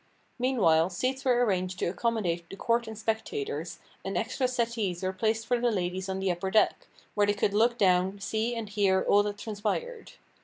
Meanwhile, seats were arranged to accommodate the court and spectators, and extra settees were placed for the ladies on the upper deck, where they could look down, see and hear all that transpired.